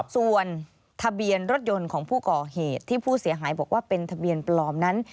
ส่วนทะเบียนรถยนต์ของผู้ก่อเหตุที่ผู้เสียหายบอกว่าเป็นทะเบียนปลอมนั้น